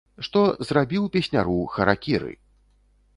Што зрабіў песняру харакіры!